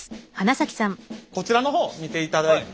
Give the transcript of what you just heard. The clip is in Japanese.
こちらの方見ていただいて。